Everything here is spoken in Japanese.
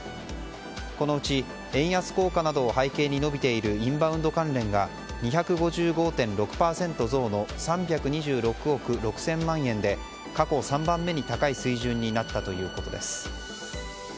このうち、円安効果などを背景に伸びているインバウンド関連が２５５．６％増の３２６億６０００万円で過去３番目に高い水準になったということです。